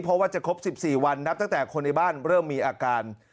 เพราะว่าจะครบ๑๔วันนับตั้งแต่คนในบ้านเริ่มมีอาการ